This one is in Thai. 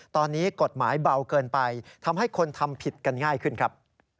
ตอนนี้กฎหมายเบาเกินไปทำให้คนทำผิดกันง่ายขึ้นครับ